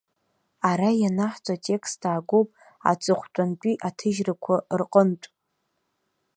Ара ианаҳҵо атекст аагоуп аҵыхәтәантәи аҭыжьрақәа рҟынтә.